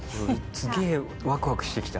すげえワクワクしてきた。